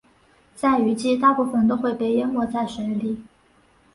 在雨季大部分都会被淹没在水里。